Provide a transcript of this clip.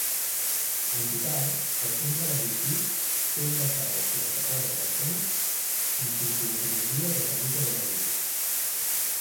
En total, el centre garrotxí té ingressades quaranta-quatre persones amb simptomatologia de tenir coronavirus.